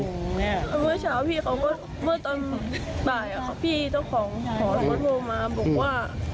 เมื่อเช้าพี่เขาก็เมื่อตอนบ่ายพี่เจ้าของหอเราก็โทรมาบอกว่า